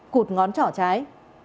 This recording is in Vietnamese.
cụt ngón trỏ trái